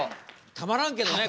たまらんけどね